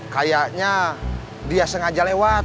kayaknya dia sengaja lewat